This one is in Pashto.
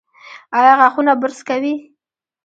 ایا غاښونه برس کوي؟